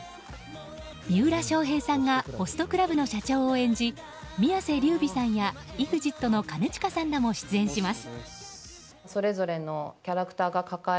三浦翔平さんがホストクラブの社長を演じ宮世琉弥さんやＥＸＩＴの兼近さんらも出演します。